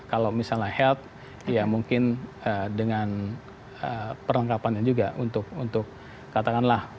kalau misalnya health ya mungkin dengan perlengkapannya juga untuk katakanlah